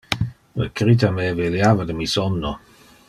Le crita me eveliava de mi somno.